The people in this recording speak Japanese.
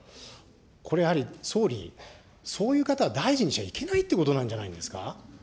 これやはり、総理、そういう方は大臣に置いちゃいけないということじゃないですか。